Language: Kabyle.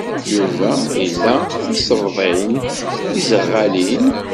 Yuba ila tisefḍin tiẓeɣɣalin?